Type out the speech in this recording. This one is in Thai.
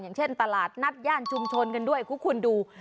อย่างเช่นตลาดนัดย่านชุมชนกันด้วยคุณดู